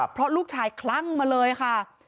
เพราะลูกชายคลั่งมาเลยค่ะ